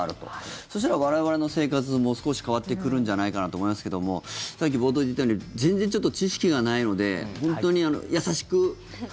そしたら、我々の生活も少し変わってくるんじゃないかなと思いますけどもさっき冒頭で言ったように全然、ちょっと知識がないので本当にあの優しく。